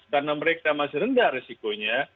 karena mereka masih rendah resikonya